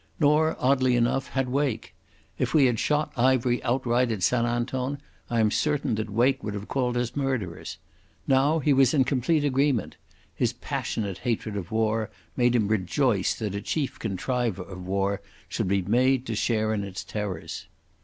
Nor, oddly enough, had Wake. If we had shot Ivery outright at St Anton, I am certain that Wake would have called us murderers. Now he was in complete agreement. His passionate hatred of war made him rejoice that a chief contriver of war should be made to share in its terrors.